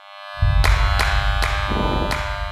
指令按顺序从原指令集翻译为目标指令集。